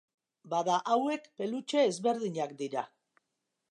Bada, hauek pelutxe ezberdinak dira.